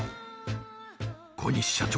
小西社長